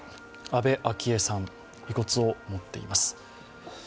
安倍昭恵さん、遺骨を持っています。